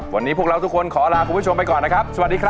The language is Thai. วันนี้พวกเราทุกคนขอลาคุณผู้ชมไปก่อนนะครับสวัสดีครับ